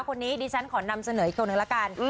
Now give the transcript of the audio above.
คนนี้ดิฉันขอนำเสนออีกคนนึงละกัน